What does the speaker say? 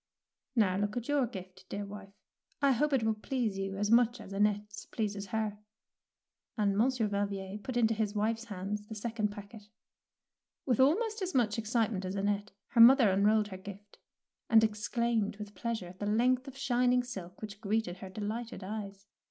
"Now look at your gift, dear wife. I hope it will please you as much as Annette's pleases her"; and Monsieur Valvier put into his wife's hands the second packet. With almost as much excitement as Annette, her mother unrolled her gift, and exclaimed with pleasure at the length of shining silk which greeted her delighted eyes.